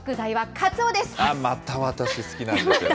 また、私好きなんですよね。